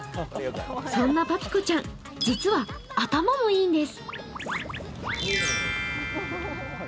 そんなパピコちゃん、実は頭もいいんです。